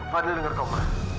fadil denger kau ma